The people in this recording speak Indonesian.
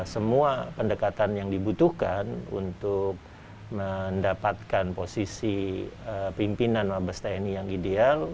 semua pendekatan yang dibutuhkan untuk mendapatkan posisi pimpinan mabes tni yang ideal